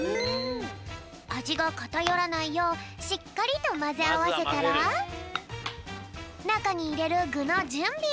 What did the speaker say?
あじがかたよらないようしっかりとまぜあわせたらなかにいれるぐのじゅんび！